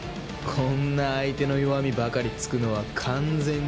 こんな相手の弱みばかり突くのは完全に。